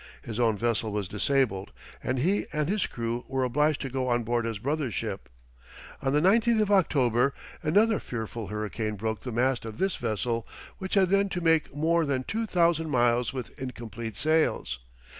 His own vessel was disabled, and he and his crew were obliged to go on board his brother's ship. On the 19th of October, another fearful hurricane broke the mast of this vessel, which had then to make more than two thousand miles with incomplete sails.